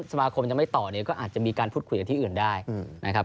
สมาคมยังไม่ต่อก็อาจจะมีการพูดคุยกับที่อื่นได้อืมนะครับ